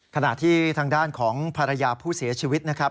ขณะที่ทางด้านของภรรยาผู้เสียชีวิตนะครับ